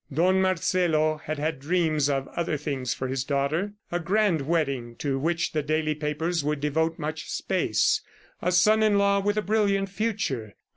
Don Marcelo had had dreams of other things for his daughter a grand wedding to which the daily papers would devote much space, a son in law with a brilliant future